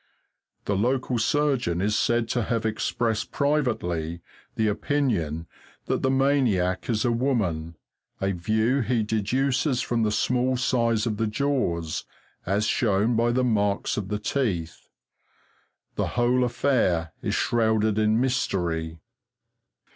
The local surgeon is said to have expressed privately the opinion that the maniac is a woman, a view he deduces from the small size of the jaws, as shown by the marks of the teeth. The whole affair is shrouded in mystery.